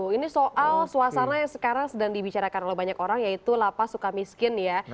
ini soal suasana yang sekarang sedang dibicarakan oleh banyak orang yaitu lapas suka miskin ya